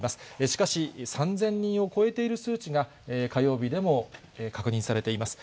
しかし、３０００人を超える数値が火曜日でも確認されています。